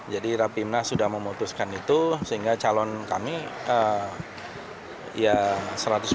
jadi rapimnas sudah memutuskan itu sehingga calon kami ya selesai